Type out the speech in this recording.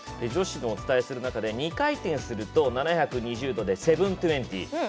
女子をお伝えする中で２回転すると７２０度でセブントゥエンティ。